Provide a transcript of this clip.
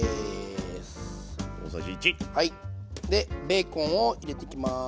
ベーコンを入れていきます。